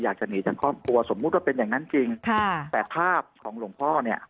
อยากจะหนีจากครอบครัวสมมุติว่าเป็นอย่างนั้นจริงค่ะแต่ภาพของหลวงพ่อเนี่ย